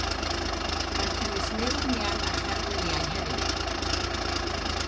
Mae'n cynnwys murluniau a cherfluniau hefyd.